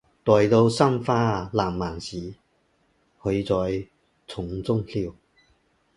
待到山花烂漫时，她在丛中笑。